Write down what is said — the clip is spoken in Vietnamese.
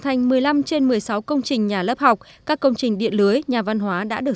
làm đường lớp học làm công trình nước và làm các công trình phụ trợ khác